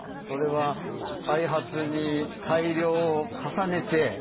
それは開発に改良を重ねて。